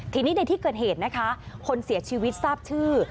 ทีนี้ในที่เกิดเหตุนะคะคนเสียชีวิตทราบชื่อ